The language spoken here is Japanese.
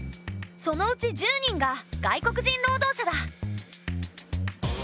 そのうち１０人が外国人労働者だ。